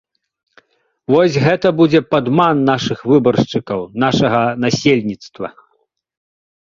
Вось гэта будзе падман нашых выбаршчыкаў, нашага насельніцтва.